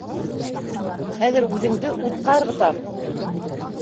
— Хәҙер үҙеңде утҡа ырғытам